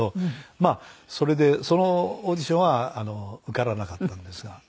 まあそれでそのオーディションは受からなかったんですが。